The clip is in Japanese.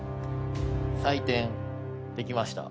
採点できました